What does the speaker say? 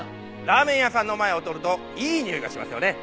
ラーメン屋さんの前を通るといいにおいがしますよね。